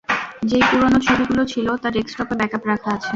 যেই পুরনো ছবিগুলো ছিল তা ডেস্কটপে ব্যাকআপ রাখা আছে।